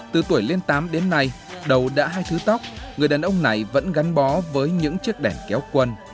từ tuổi lên tám đến nay đầu đã hai thứ tóc người đàn ông này vẫn gắn bó với những chiếc đèn kéo quân